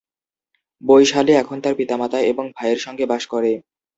বৈশালী এখন তার পিতামাতা এবং ভাইয়ের সঙ্গে বাস করে।